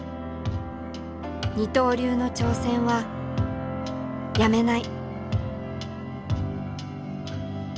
二刀流の挑戦はやめない。